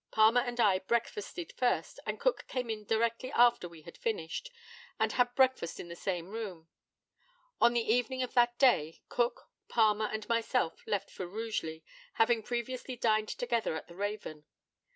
Palmer and I breakfasted first, and Cook came in directly after we had finished, and had breakfast in the same room. On the evening of that day Cook, Palmer, and myself, left for Rugeley, having previously dined together at the Raven.